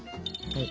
はい。